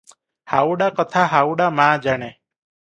ହାଉଡ଼ା କଥା ହାଉଡ଼ା ମା ଜାଣେ ।